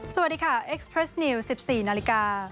สวัสดีค่ะเอ็กซ์เพรสนิวสิบสี่นาฬิกา